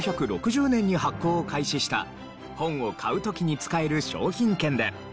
１９６０年に発行を開始した本を買う時に使える商品券で。